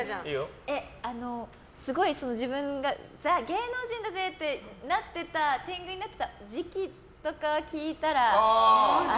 すごい自分がＴＨＥ芸能人だぜって天狗になってた時期とか聞いたら。